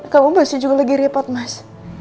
kamu masih juga lagi repot mas